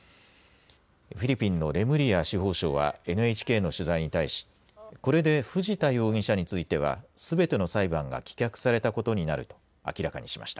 フィリピンのレムリア司法相はＮＨＫの取材に対し、これで藤田容疑者については、すべての裁判が棄却されたことになると明らかにしました。